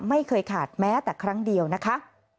ไม่เคยขาดแม้แต่ครั้งเดียวนะคะ